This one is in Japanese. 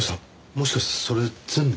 もしかしてそれ全部？